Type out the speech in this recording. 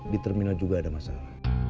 di terminal juga ada masalah